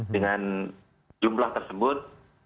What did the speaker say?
dengan jumlah tersebut